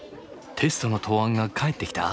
テストの答案が返ってきた？